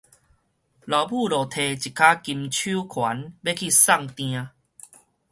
老母就提一跤金手環欲去送定